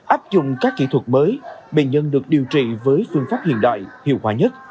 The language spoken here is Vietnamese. áp dụng các kỹ thuật mới bệnh nhân được điều trị với phương pháp hiện đại hiệu quả nhất